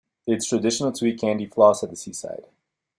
It's traditional to eat candy floss at the seaside